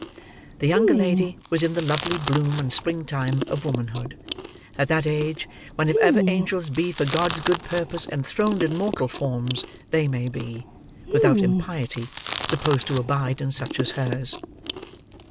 The younger lady was in the lovely bloom and spring time of womanhood; at that age, when, if ever angels be for God's good purposes enthroned in mortal forms, they may be, without impiety, supposed to abide in such as hers.